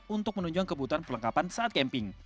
untuk menunjang kebutuhan perlengkapan saat camping